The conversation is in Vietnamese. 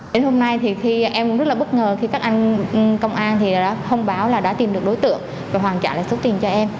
đến hôm nay thì khi em cũng rất là bất ngờ khi các anh công an thì đã thông báo là đã tìm được đối tượng và hoàn trả lại số tiền cho em